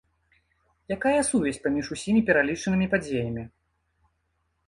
Якая сувязь паміж усімі пералічанымі падзеямі?